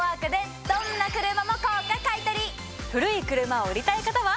古い車を売りたい方は。